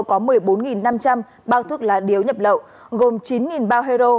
có một mươi bốn năm trăm linh bao thuốc lá điếu nhập lộn gồm chín bao hero